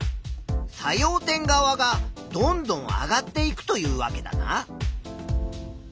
作用点側がどんどん上がっていくというわけだな。